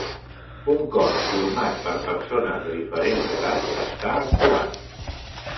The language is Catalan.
Un cor format per persones de diferents edats està actuant.